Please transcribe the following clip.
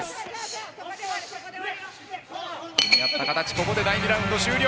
ここで第２ラウンド終了。